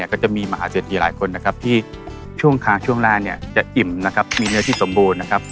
ก็จะมีมหาเสียทีหลายคนที่ช่วงค้างช่วงล่างจะอิ่มมีเนื้อที่สมบูรณ์